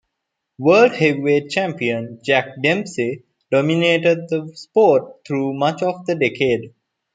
World Heavyweight champion Jack Dempsey dominated the sport through much of the decade.